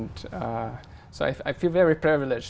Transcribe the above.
đã chia sẻ